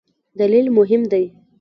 لیدل مهم دی.